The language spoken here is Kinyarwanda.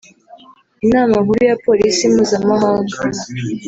Inama nkuru ya polisi mpuzamahanga